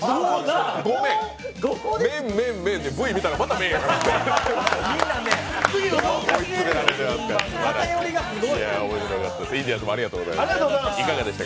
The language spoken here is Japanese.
麺、麺、麺でＶ見たら、また麺でした。